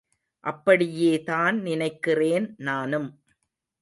அப்படியேதான் நினைக்கிறேன் நானும்.